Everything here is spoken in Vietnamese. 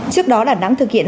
trước đó đà nẵng thực hiện